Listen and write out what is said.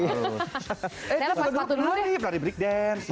eh lu dulu nih pelari breakdance